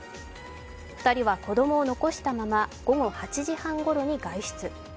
２人は子供を残したまま午後８時半ごろに外出。